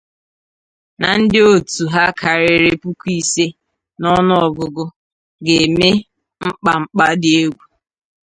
na ndị otu ha karịrị puku ise n'ọnụ ọgụgụ ga-eme mkpamkpa dị egwu